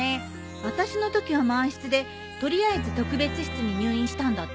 あたしのときは満室でとりあえず特別室に入院したんだって。